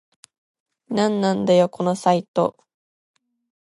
なんなんだよこのサイト